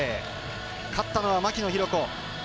勝ったのは牧野紘子。